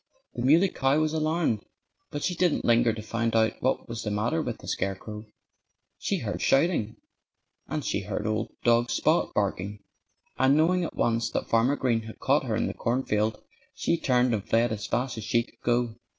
The Muley Cow was alarmed. But she didn't linger to find out what was the matter with the scarecrow. She heard shouting. And she heard old dog Spot barking. And knowing at once that Farmer Green had caught her in the cornfield she turned and fled as fast as she could go.